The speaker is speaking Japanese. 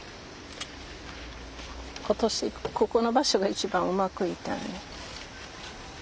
今年ここの場所が一番うまくいったね。